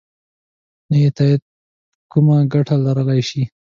نه یې تایید کومه ګټه لرلای شي.